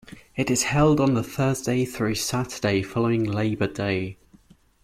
It is held on the Thursday through Saturday following Labor Day.